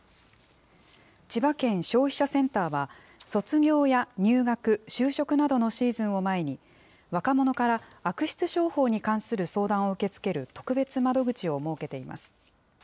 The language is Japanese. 千葉県消費者センターは、卒業や入学、就職などのシーズンを前に、若者から悪質商法に関する相談を受け付ける特別窓口を設けています。